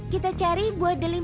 kita cari buah delinco